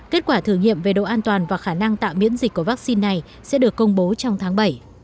kết quả thử nghiệm về độ an toàn và khả năng tạo miễn dịch của vaccine này sẽ được công bố trong tháng bảy